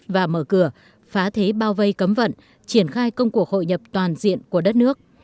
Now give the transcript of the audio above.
và mở cửa phá thế bao vây cấm vận triển khai công cuộc hội nhập toàn diện của đất nước